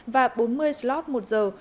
và bốn mươi slot một giờ